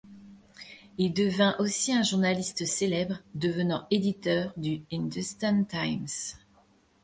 Il devint aussi un journaliste célèbre, devenant éditeur du Hindustan Times.